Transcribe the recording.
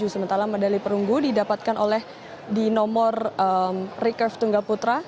sementara medali perunggu didapatkan oleh di nomor recurve tunggal putra